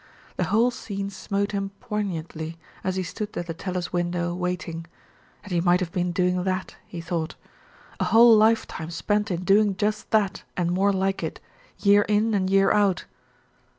The whole scene smote him poignantly as he stood at the teller's window waiting. And he might have been doing that, he thought! A whole lifetime spent in doing just that and more like it, year in and year out!